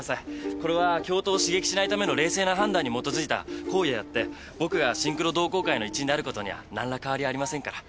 これは教頭を刺激しないための冷静な判断に基づいた行為であって僕がシンクロ同好会の一員であることには何ら変わりはありませんから。